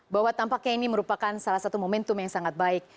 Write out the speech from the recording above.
bahwa tampaknya ini merupakan salah satu momentum yang sangat baik